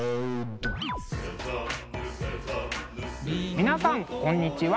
皆さんこんにちは。